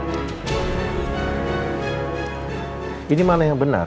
hai ini mana yang benar